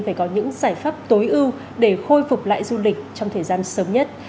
phải có những giải pháp tối ưu để khôi phục lại du lịch trong thời gian sớm nhất